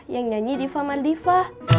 yang nyanyi diva madiva